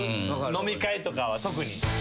飲み会とかは特に。